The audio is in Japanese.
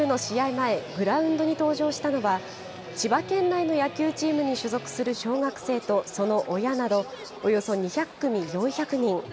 前、グラウンドに登場したのは、千葉県内の野球チームに所属する小学生とその親などおよそ２００組４００人。